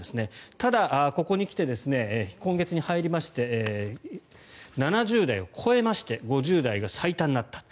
ただ、ここに来て今月に入りまして７０代を超えまして５０代が最多になった。